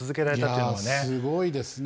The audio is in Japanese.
いやすごいですね。